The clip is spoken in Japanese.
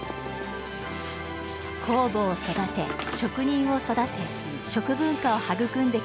酵母を育て職人を育て食文化を育んできた甲田さん。